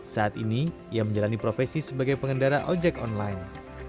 saat ini ia menjalani profesi sebagai pengendara ojek online